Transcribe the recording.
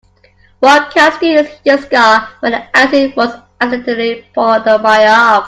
One can still see the scar where the acid was accidentally poured on my arm.